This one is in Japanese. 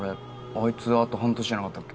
あいつあと半年じゃなかったっけ？